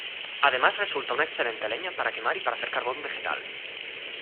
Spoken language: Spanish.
Además resulta una excelente leña para quemar y para hacer carbón vegetal.